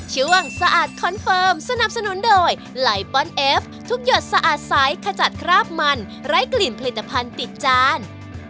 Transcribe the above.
สะอาดคอนเฟิร์มสนับสนุนโดยไลปอนเอฟทุกหยดสะอาดใสขจัดคราบมันไร้กลิ่นผลิตภัณฑ์ติดจาน